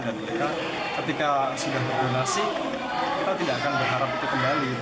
dan mereka ketika sudah berdonasi kita tidak akan berharap itu kembali